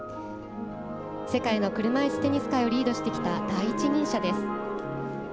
世界の車いすテニス界をリードしてきた第一人者です。